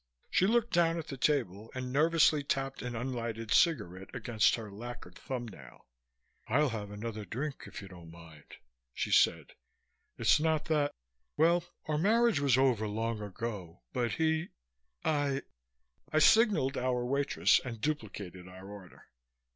She looked down at the table and nervously tapped an unlighted cigarette against her lacquered thumb nail. "I'll have another drink, if you don't mind," she said. "It's not that well, our marriage was over long ago but, he I " I signaled our waitress and duplicated our order.